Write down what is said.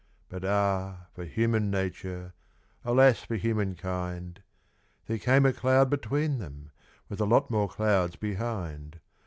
But ah! for human nature alas for human kind There came a cloud between them, with a lot more clouds behind.